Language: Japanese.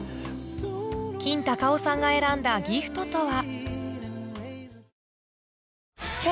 キンタカオさんが選んだギフトとは？